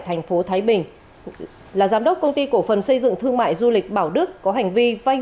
thành phố thái bình là giám đốc công ty cổ phần xây dựng thương mại du lịch bảo đức có hành vi phanh